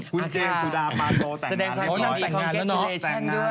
คุณเจนสุดาปาโตแต่งงานพริกร้อย